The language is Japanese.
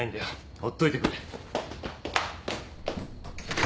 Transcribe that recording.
ほっといてくれ。